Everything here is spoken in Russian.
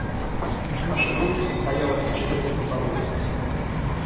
Наша группа состояла из четырех добровольцев.